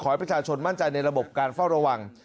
ให้ประชาชนมั่นใจในระบบการเฝ้าระวัง